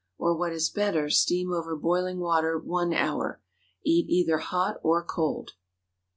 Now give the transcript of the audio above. Or, what is better, steam over boiling water one hour. Eat either hot or cold.